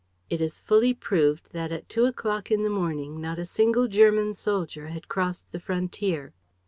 It is fully proved that at two o'clock in the morning not a single German soldier had crossed the frontier.